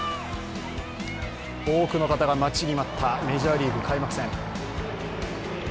多くの方が待ちに待ったメジャーリーグ開幕戦。